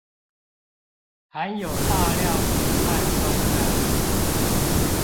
含有大量的碳酸鈣